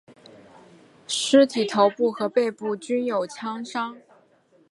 尸体头部和背部均有枪伤。